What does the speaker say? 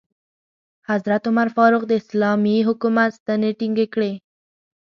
حضرت عمر فاروق د اسلامي حکومت ستنې ټینګې کړې.